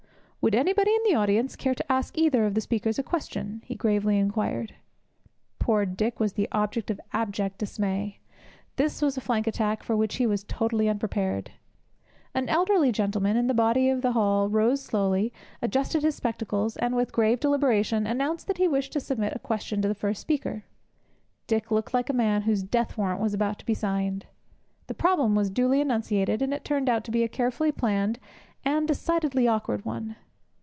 'Would anybody in the audience care to ask either of the speakers a question?' he gravely inquired. Poor Dick was the picture of abject dismay. This was a flank attack for which he was totally unprepared. An elderly gentleman, in the body of the hall, rose slowly, adjusted his spectacles, and, with grave deliberation, announced that he wished to submit a question to the first speaker. Dick looked like a man whose death warrant was about to be signed. The problem was duly enunciated, and it turned out to be a carefully planned and decidedly awkward one.